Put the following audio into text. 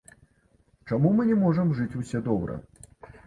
Чаму мы не можам жыць усе добра?